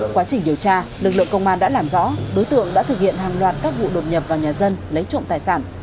quá trình điều tra lực lượng công an đã làm rõ đối tượng đã thực hiện hàng loạt các vụ đột nhập vào nhà dân lấy trộm tài sản